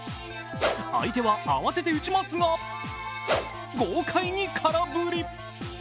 相手は慌てて打ちますが豪快に空振り。